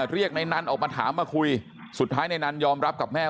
เรียกในนั้นออกมาถามมาคุยสุดท้ายในนั้นยอมรับกับแม่